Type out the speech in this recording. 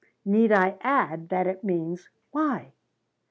Need I add that it means 'why'?